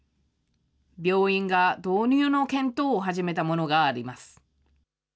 病院が導入の検討を始めたものがあります。